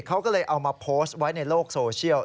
เขาก็เลยเอามาโพสต์ไว้ในโลกโซเชียล